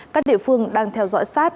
các địa phương đang theo dõi sát